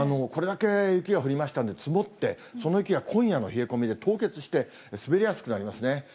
これだけ雪が降りましたんで、積もって、その雪が今夜の冷え込みで凍結して、滑りやすくなりますね。